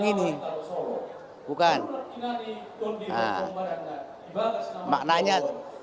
ini bukan maknanya